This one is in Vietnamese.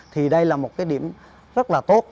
thì đây là một điểm rất là tốt